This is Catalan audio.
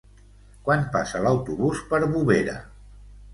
Quan passa l'autobús per Bovera?